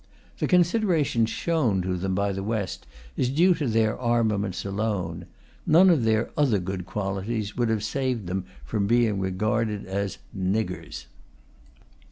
The consideration shown to them by the West is due to their armaments alone; none of their other good qualities would have saved them from being regarded as "niggers."